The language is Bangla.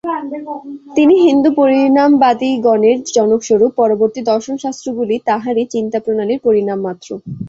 তিনি হিন্দু পরিণামবাদিগণের জনক-স্বরূপ, পরবর্তী দর্শন-শাস্ত্রগুলি তাঁহারই চিন্তাপ্রণালীর পরিণাম মাত্র।